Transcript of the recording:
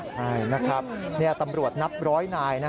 ใช่นะครับตำรวจนับร้อยนาย